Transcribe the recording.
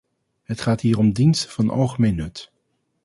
Het gaat hier om diensten van algemeen nut.